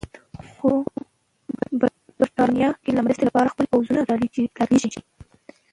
خو برټانیه که د مرستې لپاره خپل پوځونه رالېږي.